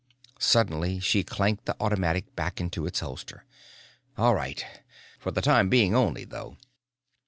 Suddenly she clanked the automatic back into its holster. "All right. For the time being only though!"